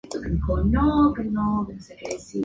Pertenece a la comarca de Val de Verín.